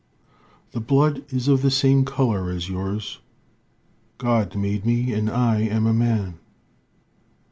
The blood is of the same color as yours. God made me, and I am a man.